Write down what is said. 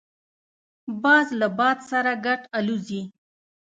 باز له باد سره ګډ الوزي